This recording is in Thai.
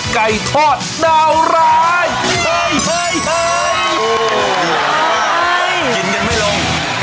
เห่เออเอาเอาต่อไป